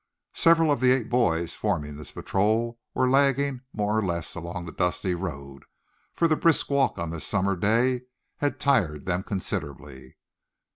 Several of the eight boys forming this patrol were lagging more or less along the dusty road; for the brisk walk on this summer day had tired them considerably.